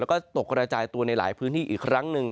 แล้วก็ตกกระจายตัวในหลายพื้นที่อีกครั้งหนึ่ง